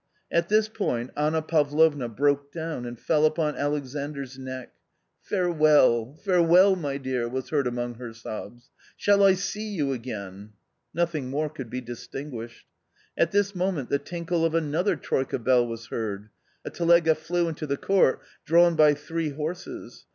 At this point Anna Pavlovna broke down and fell upon Alexandr's neck. "Farewell, farewell, my dear," was heard among her sobs. " Shall I see you again ?" Nothing more could be distinguished. At this moment the tinkle of another troika bell was heard ; a telega flew into the court, drawn by three horses.